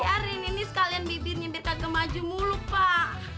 ya rin ini sekalian bibir nyibir kagak maju mulu pak